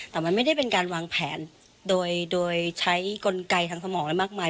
แต่มันไม่ได้เป็นการวางแผนโดยใช้กลไกทางสมองอะไรมากมาย